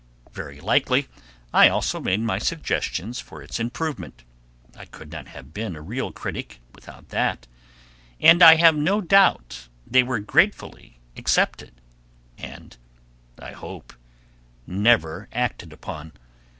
Very likely, I also made my suggestions for its improvement; I could not have been a real critic without that; and I have no doubt they were gratefully accepted and, I hope, never acted upon.